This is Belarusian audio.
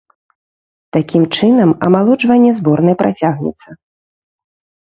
Такім чынам, амалоджванне зборнай працягнецца.